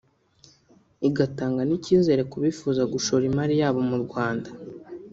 igatanga n’icyizere ku bifuza gushora imari yabo mu Rwanda